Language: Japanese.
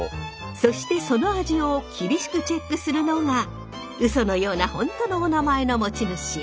そしてその味を厳しくチェックするのがウソのようなホントのおなまえの持ち主。